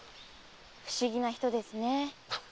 不思議な人ですね。